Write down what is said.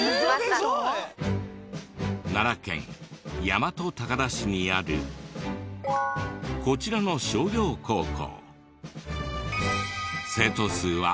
奈良県大和高田市にあるこちらの商業高校。